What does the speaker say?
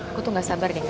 aku tuh gak sabar ya nek